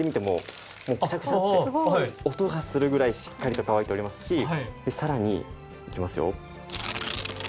クシャクシャって音がするぐらいしっかりと乾いておりますしさらにいきますよ。